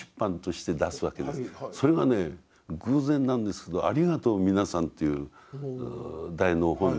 それがね偶然なんですけど「ありがとうみなさん」という題の本です。